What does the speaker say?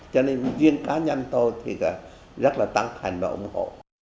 cho nên riêng cá nhân tôi thì rất là tán thành và ủng hộ